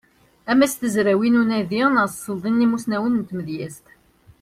Ama s tezrawin n unadi neɣ s tselḍin n yimussnawen n tmedyazt.